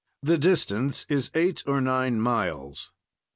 The distance is eight or nine miles.